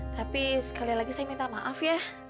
tapi sekali lagi saya minta maaf ya